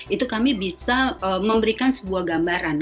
itu kami bisa memberikan sebuah gambaran